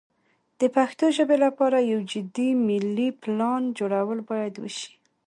د پښتو ژبې لپاره یو جدي ملي پلان جوړول باید وشي.